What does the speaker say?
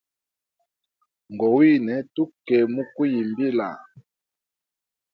Ngowine tuke muku yimbila.